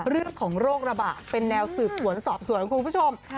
เรื่องของโรคระบาดเป็นแนวสืบสวนสอบสวยของคุณผู้ชมค่ะ